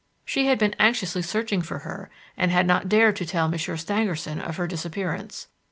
She had been anxiously searching for her and had not dared to tell Monsieur Stangerson of her disappearance.